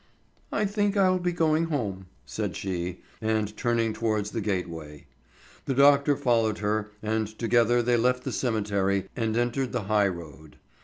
"I think I will be going home," said she, and turned towards the gateway. The doctor followed her and together they left the cemetery and entered the high road.